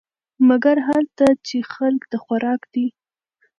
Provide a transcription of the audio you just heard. مګر هلته چې خلک د خوراک دي .